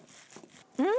うん！